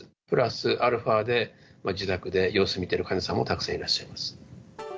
プラスアルファで、自宅で様子見ている患者さんもたくさんいらっしゃいます。